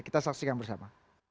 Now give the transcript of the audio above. kita saksikan bersama